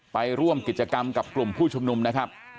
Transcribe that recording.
ไปร่วมกิจกรรมกับกลุ่มผู้ชุมนุมนะครับ